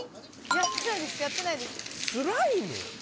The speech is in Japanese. スライム？